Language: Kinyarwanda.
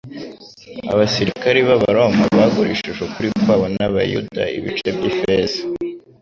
Abasirikari b'abaroma bagurishije ukuri kwabo n'abayuda ibice by'ifeza.